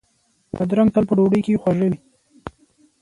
بادرنګ تل په ډوډۍ کې خواږه وي.